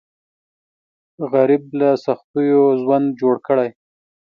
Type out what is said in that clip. غریب له سختیو ژوند جوړ کړی